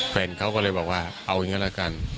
แฟนเขาก็เลยบอกว่าเอาอย่างนี้ละกัน